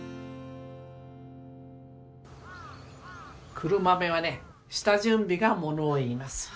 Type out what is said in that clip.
黒豆はね下準備が物を言います。